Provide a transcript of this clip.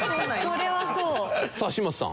さあ嶋佐さん。